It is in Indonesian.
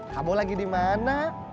kamu lagi di mana